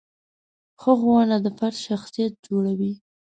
ښه ښوونه د فرد شخصیت جوړوي.